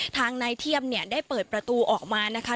ทางนายเทียมเนี่ยได้เปิดประตูออกมานะคะ